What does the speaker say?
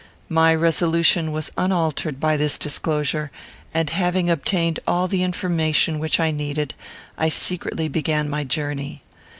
My resolution was unaltered by this disclosure; and, having obtained all the information which I needed, I secretly began my journey.